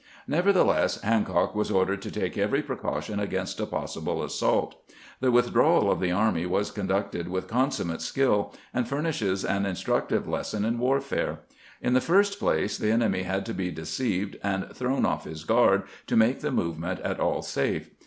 Nevertheless, Hancock was ordered to take every precaution against a possible assault. The with drawal of the army was conducted with consummate skiU, and furnishes an instructive lesson in warfare. In the first place, the enemy had to be deceived and thrown off his guard to make the movement at all safe.